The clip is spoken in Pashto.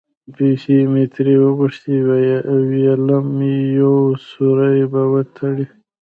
پیسې مې ترې وغوښتې؛ وېلم یو سوری به وتړي.